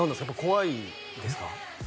怖いんですか？